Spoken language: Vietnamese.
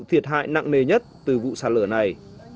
thiệt hại nặng nề nhất từ vụ sạt lở này